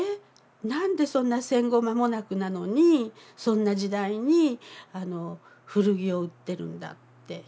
何でそんな戦後間もなくなのにそんな時代に古着を売ってるんだって変に思うらしいんですよね。